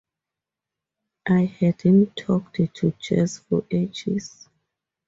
I hadn't talked to Jaz for ages.